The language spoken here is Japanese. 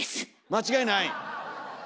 間違いない？